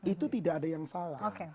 itu tidak ada yang salah